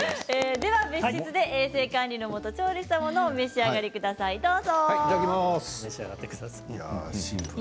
では別室で衛生管理のもと調理したものを召し上がってください。